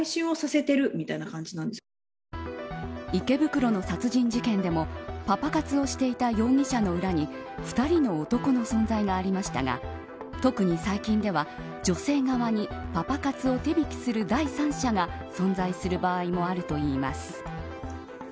池袋の殺人事件でもパパ活をしていた容疑者の裏に２人の男の存在がありましたが特に最近では、女性側にパパ活を手引きする第三者が存在する場合もあるといいます。